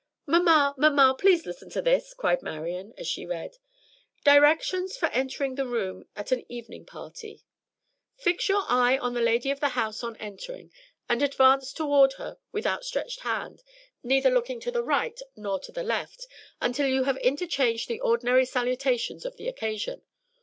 "Mamma, mamma, please listen to this!" cried Marian, and she read: "'Directions for entering the room at an evening party. Fix your eye on the lady of the house on entering, and advance toward her with outstretched hand, looking neither to the right nor to the left, until you have interchanged the ordinary salutations of the occasion.